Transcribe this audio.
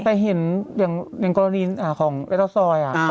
แต่เห็นอย่างกรณีของเอตาซอย